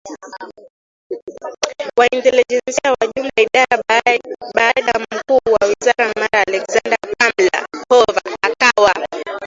wa intelejensi ya jumla Idara Baada mkuu wa wizara mara Alexander Pamler Hoover akawa